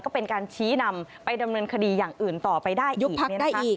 ก็เป็นการชี้นำไปดำเนินคดีอย่างอื่นต่อไปได้อีกเนี่ยนะคะ